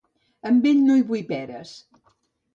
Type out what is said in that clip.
Amb ell no hi vull peres.